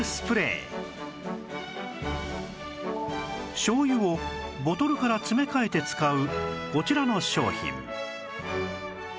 醤油をボトルから詰め替えて使うこちらの商品